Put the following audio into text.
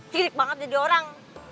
cirik banget jadi orang